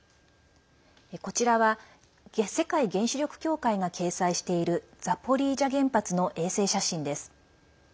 こちらは、世界原子力協会が掲載しているザポリージャ原発の衛星写真です。